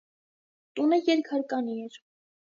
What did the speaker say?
Տունը երկհարկանի էր։